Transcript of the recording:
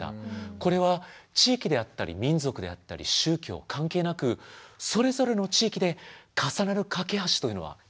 これは地域であったり民族であったり宗教関係なくそれぞれの地域で重なる懸け橋というのは必ず存在している。